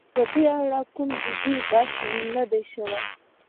په دې اړه کوم جدي بحث نه دی شوی.